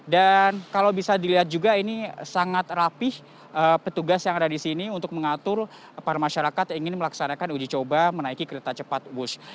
dan kalau bisa dilihat juga ini sangat rapih petugas yang ada di sini untuk mengatur para masyarakat yang ingin melaksanakan uji coba menaiki kereta cepat wush